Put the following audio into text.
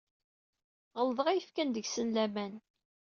Ɣelḍeɣ i yefkan deg-sen laman.